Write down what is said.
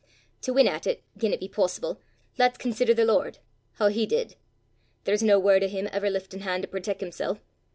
To win at it, gien 't be possible, lat 's consider the Lord hoo he did. There's no word o' him ever liftin' han' to protec' himsel'.